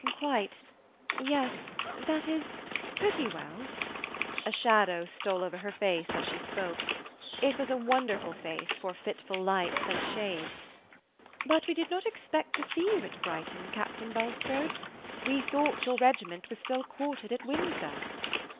"Quite yes, that is pretty well." A shadow stole over her face as she spoke. It was a wonderful face for fitful lights and shades. "But we did not expect to see you at Brighton, Captain Bulstrode; we thought your regiment was still quartered at Windsor."